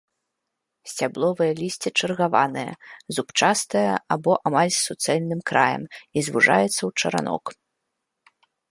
Сцябловае лісце чаргаванае, зубчастае або амаль з суцэльным краем і звужаецца ў чаранок.